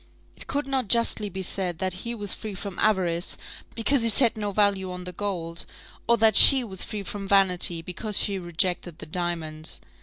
It could not justly be said that he was free from avarice, because he set no value on the gold; or that she was free from vanity, because she rejected the diamonds.